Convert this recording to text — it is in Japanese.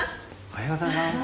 おはようございます。